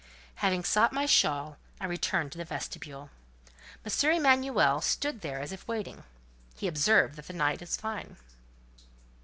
Having sought my shawl, I returned to the vestibule. M. Emanuel stood there as if waiting. He observed that the night was fine.